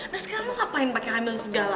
nah sekarang lo ngapain pake hamil segala